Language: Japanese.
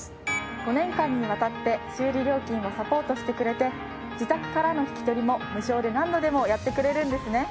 ５年間にわたって修理料金をサポートしてくれて自宅からの引き取りも無償で何度でもやってくれるんですね。